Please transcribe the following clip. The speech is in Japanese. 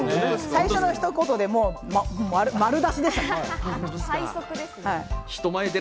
最初のひと言で丸出しでしたよね。